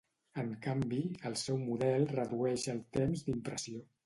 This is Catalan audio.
En canvi, el seu model redueix el temps d’impressió.